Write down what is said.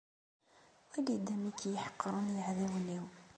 Wali-d amek i iyi-ḥeqren yiεdawen-iw.